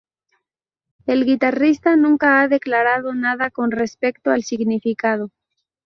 El guitarrista nunca ha declarado nada con respecto al significado.